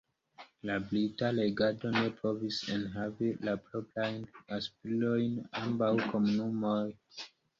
La brita regado ne povis enhavi la proprajn aspirojn de ambaŭ komunumoj.